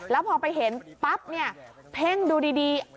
แล้วพอไปเห็นปั๊บเนี่ยเพ่งดูดี